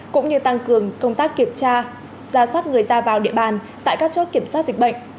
cũng như tăng cường công tác kiểm tra giả soát người ra vào địa bàn tại các chốt kiểm soát dịch bệnh